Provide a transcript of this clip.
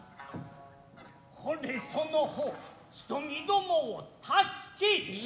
これその方ちと身共を助けい。